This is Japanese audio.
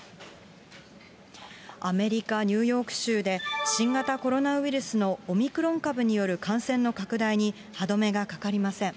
アメリカ・ニューヨーク州で、新型コロナウイルスのオミクロン株による感染の拡大に歯止めがかかりません。